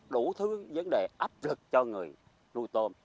đủ thứ vấn đề áp lực cho người nuôi tôm